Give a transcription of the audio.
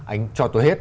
anh cho tôi hết